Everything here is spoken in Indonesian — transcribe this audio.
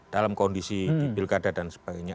dalam kondisi di pilkada dan sebagainya